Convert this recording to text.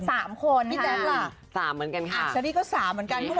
สามคนค่ะพี่แดนล่ะสามเหมือนกันค่ะอักษรีก็สามเหมือนกัน